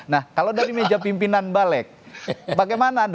nah kalau dari meja pimpinan balik bagaimana